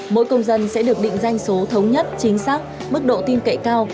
mỗi công dân sẽ được định danh số thống nhất chính xác mức độ tin cậy cao